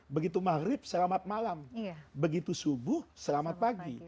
begitu maghrib selamat malam begitu subuh selamat pagi